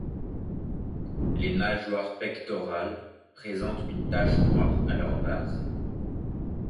Les nageoires pectorales présentent un tache noire à leur base.